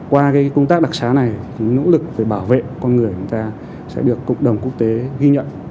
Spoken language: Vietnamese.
qua công tác đặc xá này những nỗ lực để bảo vệ con người của ta sẽ được cộng đồng quốc tế ghi nhận